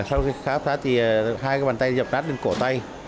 sau khi khám phá thì hai cái bàn tay dập nát lên cổ tay